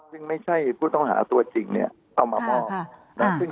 ซึ่งไม่ใช่ผู้ต้องหาตัวจริงเนี่ยเอามามอบ